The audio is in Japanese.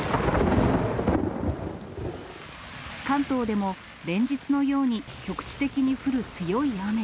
関東でも連日のように局地的に降る強い雨。